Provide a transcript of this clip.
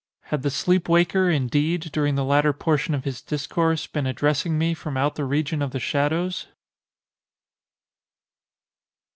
Had the sleep waker, indeed, during the latter portion of his discourse, been addressing me from out the region of the shadows?